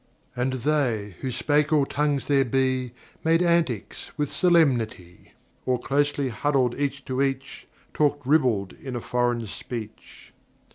And they who spake all tongues there be Made antics with solemnity, Or closely huddled each to each Talked ribald in a foreign speech.